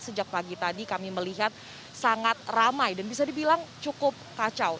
sejak pagi tadi kami melihat sangat ramai dan bisa dibilang cukup kacau